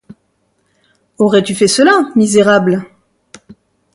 Aurais-tu fait cela, misérable?